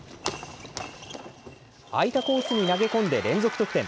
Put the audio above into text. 空いたコースに投げ込んで連続得点。